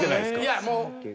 いやもう。